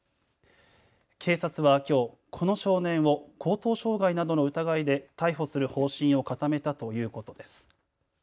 警察はきょう、この少年を強盗傷害などの疑いで逮捕する方針を固めたということです。